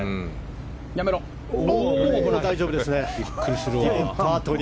大丈夫ですね。